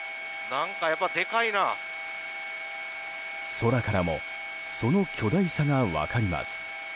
空からもその巨大さが分かります。